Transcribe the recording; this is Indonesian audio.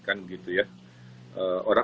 kan begitu ya